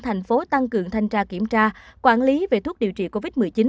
thành phố tăng cường thanh tra kiểm tra quản lý về thuốc điều trị covid một mươi chín